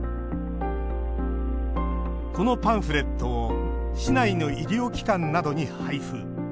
このパンフレットを市内の医療機関などに配布。